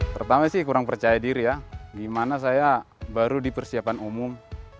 pertama sih kurang percaya diri ya gimana saya baru di persiapan umum